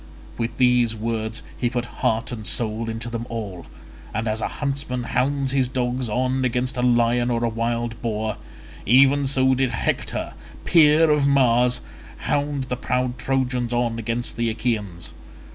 With these words he put heart and soul into them all, and as a huntsman hounds his dogs on against a lion or wild boar, even so did Hector, peer of Mars, hound the proud Trojans on against the Achaeans.